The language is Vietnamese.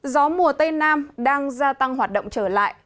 gió mùa tây nam đang gia tăng hoạt động trở lại